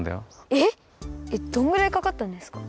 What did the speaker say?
えっどんぐらいかかったんですか？